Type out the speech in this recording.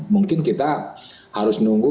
mungkin kita harus nunggu